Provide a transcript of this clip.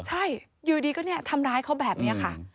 ใช่อยู่ดีก็ทำร้ายเขาแบบนี้ค่ะ